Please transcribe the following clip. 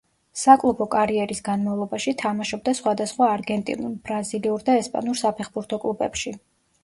საკლუბო კარიერის განმავლობაში თამაშობდა სხვადასხვა არგენტინულ, ბრაზილიურ და ესპანურ საფეხბურთო კლუბებში.